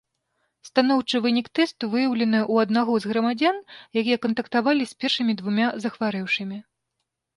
Станоўчы вынік тэсту выяўлены ў аднаго з грамадзян, якія кантактавалі з першымі двума захварэўшымі.